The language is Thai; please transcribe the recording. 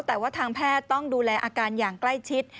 แต่ว่าทางแพทย์ต้องดูแลอาการอย่างใกล้ชิด